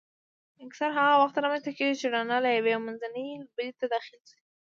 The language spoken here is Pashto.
انکسار هغه وخت رامنځته کېږي چې رڼا له یوې منځنۍ بلې ته داخله شي.